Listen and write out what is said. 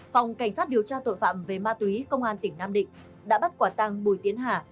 phòng cảnh sát điều tra tội phạm về ma túy công an tỉnh nam định đã bắt quả tăng bùi tiến hà